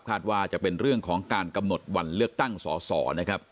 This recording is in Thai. ว่าจะเป็นเรื่องของการกำหนดวันเลือกตั้งสอสอนะครับ